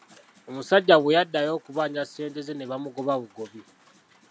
Omusajja bwe yaddayo okubanja ssente ze ne bamugoba bugobi.